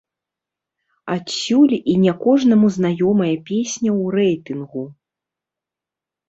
Адсюль і не кожнаму знаёмая песня ў рэйтынгу.